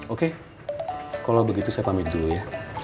oke kalau begitu saya pamit dulu ya